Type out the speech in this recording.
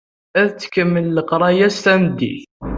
Ad tettkemmil leqraya-s tameddit.